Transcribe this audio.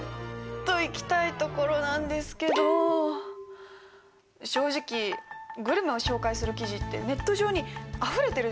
といきたいところなんですけど正直グルメを紹介する記事ってネット上にあふれてるじゃないですか。